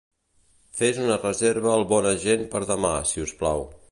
Fes una reserva al Bona Gent per demà, si us plau.